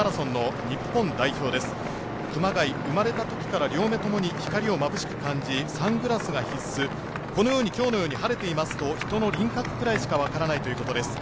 熊谷、生まれたときから両目ともに光をまぶしく感じ、サングラスが必須、このように今日、晴れていますと人の輪郭くらいしか分からないということです。